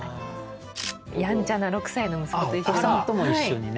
やんちゃな６歳の息子と一緒に。